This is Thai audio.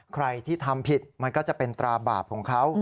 ใครที่ทำผิดมันก็จะเป็นตราบาปของเขา